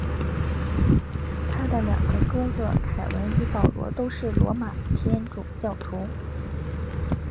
他和两个哥哥凯文与保罗都是罗马天主教徒。